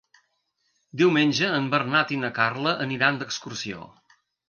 Diumenge en Bernat i na Carla aniran d'excursió.